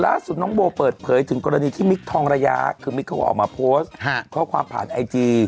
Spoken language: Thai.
ล่าสุดน้องโบเปิดเผยถึงกรณีที่มิคทองระยะคือมิกเขาก็ออกมาโพสต์ข้อความผ่านไอจี